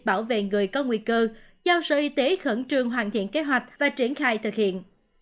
bảo vệ người có nguy cơ giao sở y tế khẩn trương hoàn thiện kế hoạch và triển khai thực hiện